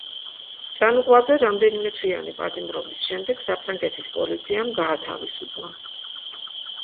ჭანუყვაძე რამდენიმე თვიანი პატიმრობის შემდეგ საფრანგეთის პოლიციამ გაათავისუფლა.